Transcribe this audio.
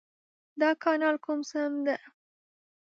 دا کانال کوم سمندرونه سره نښلولي دي؟